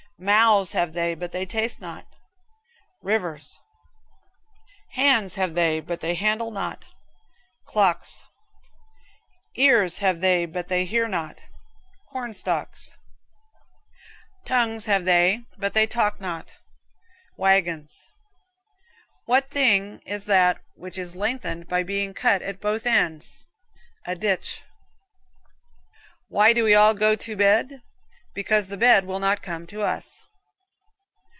Mouths have they, but they taste not rivers. Hands have they, but they handle not clocks. Ears have they, but they hear not corn stalks. Tongues have they, but they talk not wagons. What thing is that which is lengthened by being cut at both ends? A ditch. Why do we all go to bed? Because the bed will not come to us.